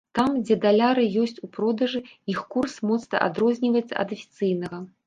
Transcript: Там, дзе даляры ёсць у продажы, іх курс моцна адрозніваецца ад афіцыйнага.